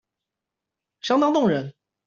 相當動人